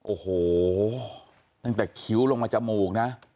โอ้โหตั้งแต่คิ้วลงมาจมูกนะ